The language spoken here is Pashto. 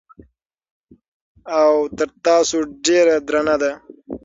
او تر تاسو ډېره درنه ده